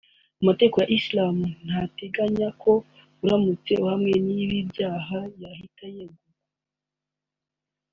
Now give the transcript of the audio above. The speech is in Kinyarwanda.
Amategeko ya Israel ntateganya ko aramutse ahamwe n’ibi byaha yahita yegura